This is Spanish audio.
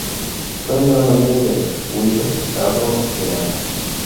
Fue un gran amigo de Guido Arnoldo Miranda.